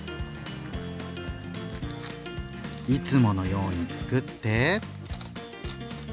いつものようにつくって。